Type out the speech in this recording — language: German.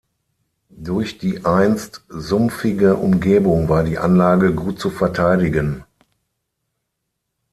Durch die einst sumpfige Umgebung war die Anlage gut zu verteidigen.